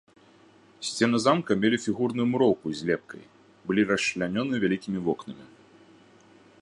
Сцены замка мелі фігурную муроўку з лепкай, былі расчлянёны вялікімі вокнамі.